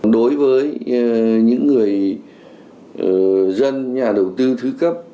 đối với những người dân nhà đầu tư thứ cấp